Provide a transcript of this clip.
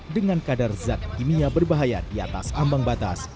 dengan kadar zat kimia berbahaya di atas ambang batas